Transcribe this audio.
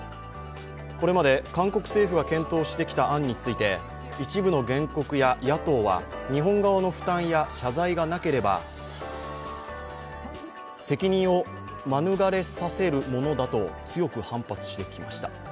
これまで韓国政府が検討してきた案について一部の原告や野党は日本側の負担や謝罪がなければ責任を免れさせるものだと強く反発してきました。